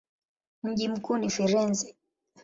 Mji mkuu ni Firenze.